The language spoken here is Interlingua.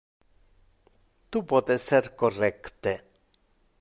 Tu pote ser correcte.